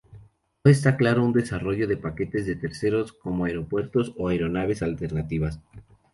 No está claro un desarrollo de paquetes de terceros, como aeropuertos o aeronaves alternativas.